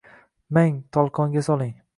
Mang, tolqonga soling.